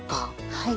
はい。